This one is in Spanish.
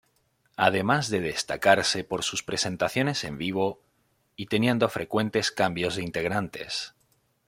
Además de destacarse por sus presentaciones en vivo, y teniendo frecuentes cambios de integrantes.